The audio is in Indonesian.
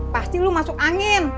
pasti lu masuk angin